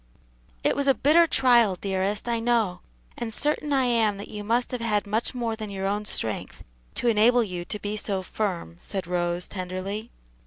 "It was a bitter trial, dearest, I know; and certain I am that you must have had much more than your own strength to enable you to be so firm," said Rose, tenderly.